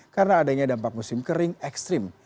karena adanya dampak musim kering ekstrim